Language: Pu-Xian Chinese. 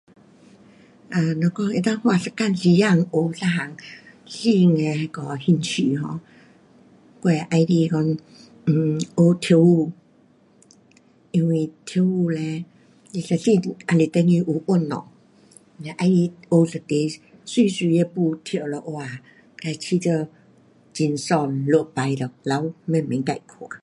um 若讲能够花一天时间学一样新的那个啊兴趣 um，我会喜欢讲学 um 跳舞。因为跳舞嘞你一身都也是等于有运动。嘞喜欢学一题美美的舞，跳了哇，也会觉得很爽，录起了留慢慢自看。